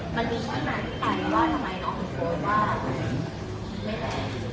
มันอีกมากได้ว่าทำไมน้องผู้โฆษว่าไม่แม่